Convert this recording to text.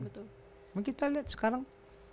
maka kita lihat sekarang